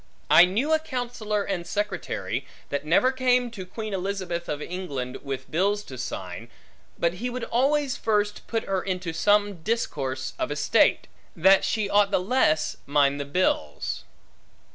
I knew a counsellor and secretary, that never came to Queen Elizabeth of England, with bills to sign, but he would always first put her into some discourse of estate, that she mought the less mind the bills.